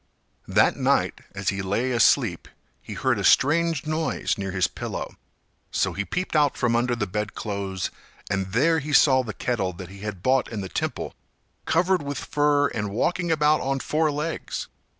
That night, as he lay asleep, he heard a strange noise near his pillow; so he peeped out from under the bedclothes and there he saw the kettle that he had bought in the temple covered with fur and walking about on four legs.